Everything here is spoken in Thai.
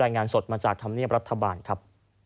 รายงานสดมาจากธรรมเนียบรัฐบาลครับ